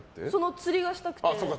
釣りがしたくて。